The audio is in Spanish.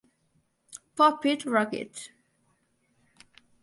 Pop It Rock It!